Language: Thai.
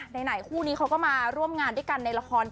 ไหนคู่นี้เขาก็มาร่วมงานด้วยกันในละคร